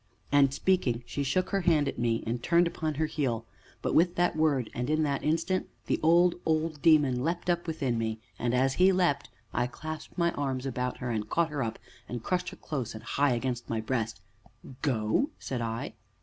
And, speaking, she shook her hand at me, and turned upon her heel; but with that word, and in that instant, the old, old demon leapt up within me, and, as he leapt, I clasped my arms about her, and caught her up, and crushed her close and high against my breast. "Go?" said I.